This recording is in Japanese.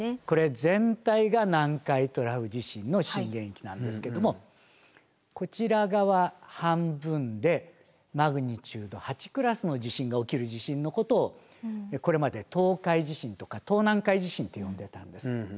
これ全体が南海トラフ地震の震源域なんですけれどもこちら側半分でマグニチュード８クラスの地震が起きる地震のことをこれまで東海地震とか東南海地震って呼んでたんです。